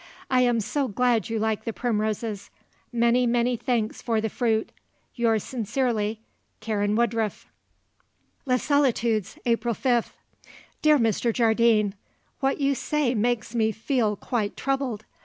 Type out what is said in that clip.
I am so glad you like the primroses. Many, many thanks for the fruit. Yours sincerely, "Karen Woodruff." "Les Solitudes, "April 5th. "Dear Mr. Jardine, What you say makes me feel quite troubled.